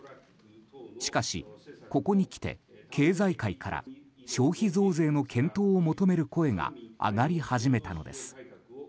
しかし、ここにきて経済界から消費増税の検討を求める声が上がり始めたのです。